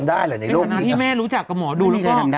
ในสถานที่แม่รู้จักกับหมอดูแล้วก็